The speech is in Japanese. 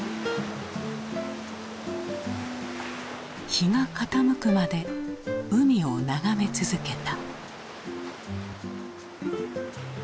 日が傾くまで海を眺め続けた。